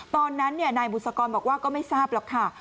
ตอนนั้นนายบุษกรบอกว่าก็ไม่ทราบหรอกค่ะ